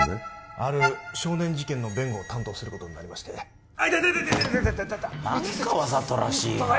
ある少年事件の弁護を担当することになりましてアイテテテ何かわざとらしいな